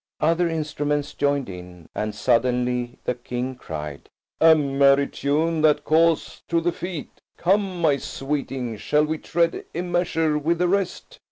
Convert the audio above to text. Other instruments joined in, and suddenly the King cried, "A merry tune that calls to the feet. Come, my sweeting, shall we tread a measure with the rest?"